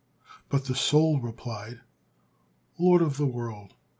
But the soul replied: "Lord of the world!